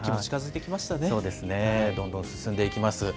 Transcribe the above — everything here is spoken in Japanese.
そうですね、どんどん進んでいきます。